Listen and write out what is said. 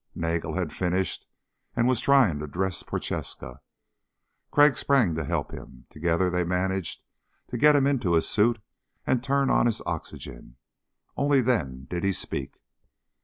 Nagel had finished and was trying to dress Prochaska. Crag sprang to help him. Together they managed to get him into his suit and turn on his oxygen. Only then did he speak.